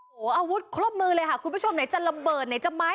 โอ้โหอาวุธครบมือเลยค่ะคุณผู้ชมไหนจะระเบิดไหนจะไม้